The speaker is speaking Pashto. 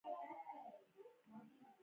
د روښانفکرانو ونډه ورو ورو په کې پیکه شوه.